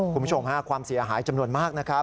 คุณผู้ชมฮะความเสียหายจำนวนมากนะครับ